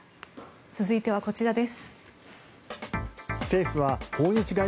続いてはこちらです。